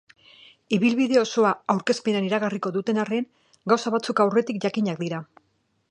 Ibilbide osoa aurkezpenean iragarriko duten arren, gauza batzuk aurretik jakinak dira.